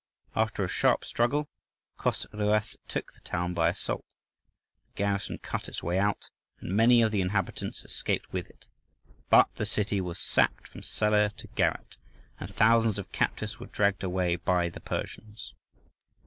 After a sharp struggle, Chosroës took the town by assault; the garrison cut its way out, and many of the inhabitants escaped with it, but the city was sacked from cellar to garret and thousands of captives were dragged away by the Persians.